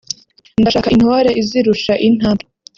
ndashaka Intore izirusha intambwe